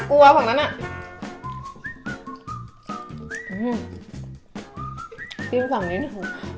กินฝั่งนี้ดีกว่า